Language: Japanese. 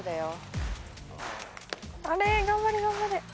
あれ頑張れ頑張れ。